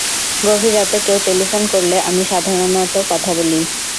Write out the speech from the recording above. গভীর রাতে কেউ টেলিফোন করলে আমি সাধারণত কথা বলি।